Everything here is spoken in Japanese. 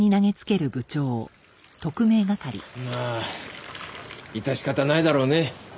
まあ致し方ないだろうね。